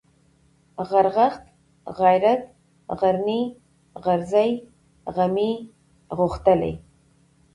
غرغښت ، غيرت ، غرنى ، غرزی ، غمی ، غښتلی